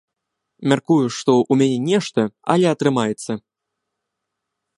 Мяркую, што ў мяне нешта, але атрымаецца.